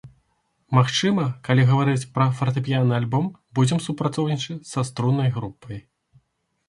Магчыма, калі гаварыць пра фартэпіянны альбом, будзем супрацоўнічаць са струннай групай.